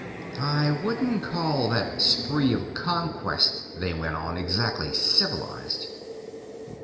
"I wouldn't call that spree of conquest they went on exactly civilized."